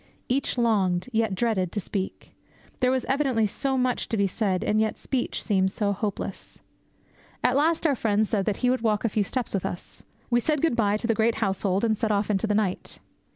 Each longed, yet dreaded, to speak. There was evidently so much to be said, and yet speech seemed so hopeless. At last our friend said that he would walk a few steps with us. We said good bye to the great household and set off into the night.